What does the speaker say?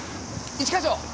一課長！